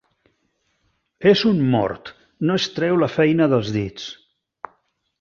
És un mort, no es treu la feina dels dits.